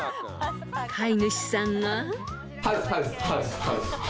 ［飼い主さんが］